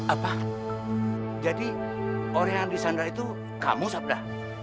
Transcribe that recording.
apa jadi orang yang disandar itu kamu sabda